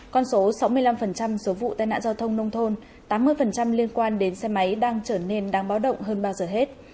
con số sáu mươi năm số vụ tai nạn giao thông nông thôn tám mươi liên quan đến xe máy đang trở nên đáng báo động hơn bao giờ hết